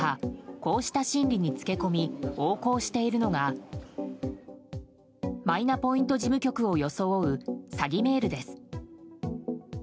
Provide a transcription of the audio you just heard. こうした心理につけ込み横行しているのがマイナポイント事務局を装う詐欺メールです。